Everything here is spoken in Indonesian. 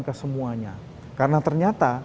ke semuanya karena ternyata